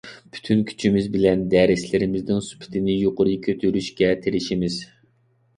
پۈتۈن كۈچىمىز بىلەن دەرسلىرىمىزنىڭ سۈپىتىنى يۇقىرى كۆتۈرۈشكە تىرىشىمىز.